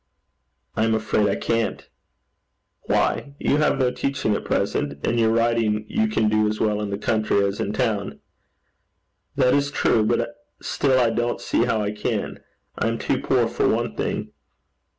'I am afraid I can't.' 'Why? You have no teaching at present, and your writing you can do as well in the country as in town.' 'That is true; but still I don't see how I can. I am too poor for one thing.'